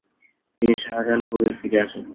তিনি শাহজাহানপুরে ফিরে আসেন।